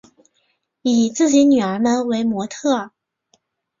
以自己女儿们为模特儿